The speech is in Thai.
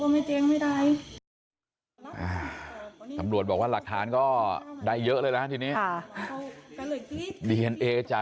ไหนจากบัญชีที่โอนเงินไปให้